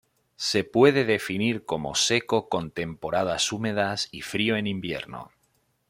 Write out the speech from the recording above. Se puede definir como seco con temporadas húmedas y frío en invierno.